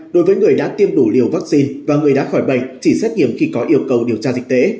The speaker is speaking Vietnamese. đối với người đã tiêm đủ liều vaccine và người đã khỏi bệnh chỉ xét nghiệm khi có yêu cầu điều tra dịch tễ